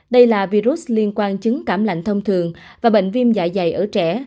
đây là virus liên quan chứng cảm lạnh thông thường và bệnh viêm dạ dày ở trẻ